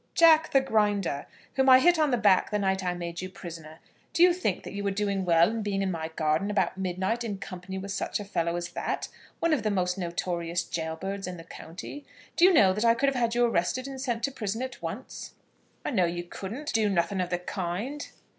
"Jack the Grinder, whom I hit on the back the night I made you prisoner. Do you think that you were doing well in being in my garden about midnight in company with such a fellow as that, one of the most notorious jailbirds in the county? Do you know that I could have had you arrested and sent to prison at once?" "I know you couldn't do nothing of the kind."